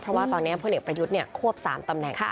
เพราะว่าตอนนี้พลเอกประยุทธ์ควบ๓ตำแหน่ง